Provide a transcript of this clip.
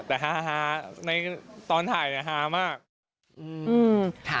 แต่ฮาในตอนถ่ายฮามาก